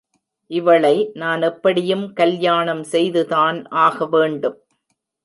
இவளை நான் எப்படியும் கல்யாணம் செய்துதான் ஆகவேண்டும்.